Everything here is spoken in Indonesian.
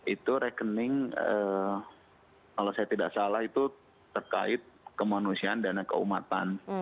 itu rekening kalau saya tidak salah itu terkait kemanusiaan dana keumatan